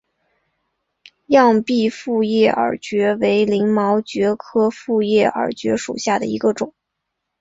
漾濞复叶耳蕨为鳞毛蕨科复叶耳蕨属下的一个种。